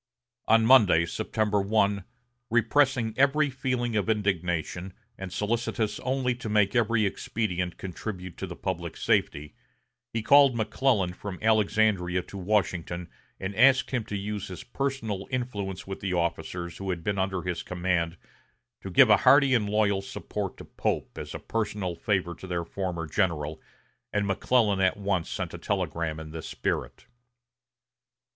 On Monday, September 1, repressing every feeling of indignation, and solicitous only to make every expedient contribute to the public safety, he called McClellan from Alexandria to Washington and asked him to use his personal influence with the officers who had been under his command to give a hearty and loyal support to Pope as a personal favor to their former general, and McClellan at once sent a telegram in this spirit.